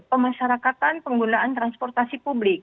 pemasyarakatan penggunaan transportasi publik